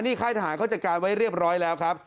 ค่ายทหารเขาจัดการไว้เรียบร้อยแล้วครับ